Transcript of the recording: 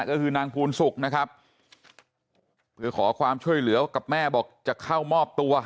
ก็คือนางภูนศุกร์นะครับเพื่อขอความช่วยเหลือกับแม่บอกจะเข้ามอบตัว